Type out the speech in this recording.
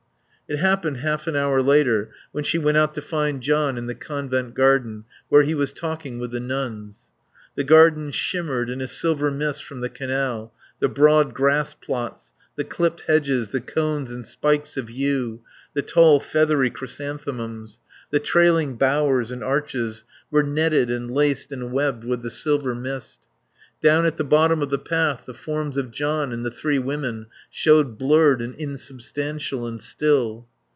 It happened half an hour later when she went out to find John in the Convent garden where he was walking with the nuns. The garden shimmered in a silver mist from the canal, the broad grass plots, the clipped hedges, the cones and spikes of yew, the tall, feathery chrysanthemums, the trailing bowers and arches, were netted and laced and webbed with the silver mist. Down at the bottom of the path the forms of John and the three women showed blurred and insubstantial and still.